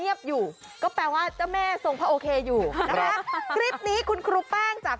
อยู่ก็แปลว่าเจ้าแม่ทรงพระโอเคอยู่นะคะคลิปนี้คุณครูแป้งจาก